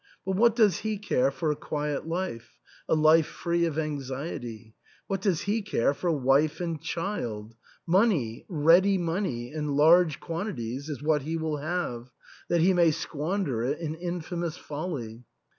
But what does he care for a quiet life — a life free of anxiety? — what does he care for wife and child ? Money, ready money, and large quantities, is what he will have, that he may squander it in infamous folly.